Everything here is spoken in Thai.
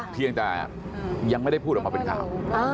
เพียงแต่ยังไม่ได้พูดออกมาเป็นข่าว